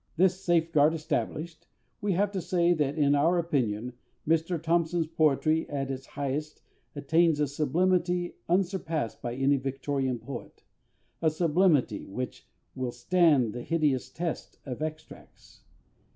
This safeguard established, we have to say that in our opinion Mr THOMPSON'S poetry at its highest attains a sublimity unsurpassed by any Victorian poet a sublimity which will stand the hideous test of extracts.